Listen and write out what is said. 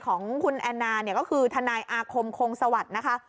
ของคุณแอนนาก็คือธนายอาคมโครงสวัสดิ์นะคะ